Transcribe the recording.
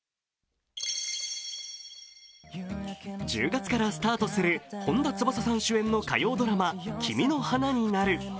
１０月からスタートする本田翼さん主演の火曜ドラマ「君の花になる」